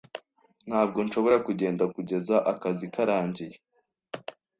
Ntabwo nshobora kugenda kugeza akazi karangiye.